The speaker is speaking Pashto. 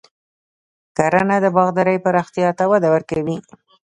کرنه د باغدارۍ پراختیا ته وده ورکوي.